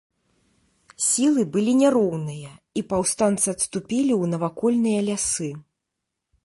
Сілы былі няроўныя, і паўстанцы адступілі ў навакольныя лясы.